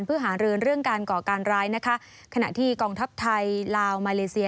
เพื่อหารือเรื่องการก่อการร้ายนะคะขณะที่กองทัพไทยลาวมาเลเซีย